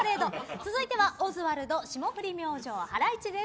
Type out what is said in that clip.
続いてはオズワルド霜降り明星、ハライチです。